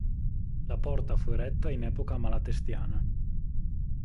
La porta fu eretta in epoca malatestiana.